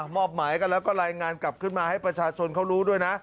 อบหมายกันแล้วก็รายงานกลับขึ้นมาให้ประชาชนเขารู้ด้วยนะ